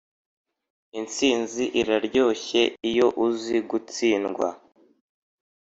“intsinzi iraryoshye iyo uzi gutsindwa.”